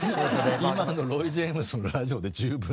今のロイ・ジェームスのラジオで十分なんですよ。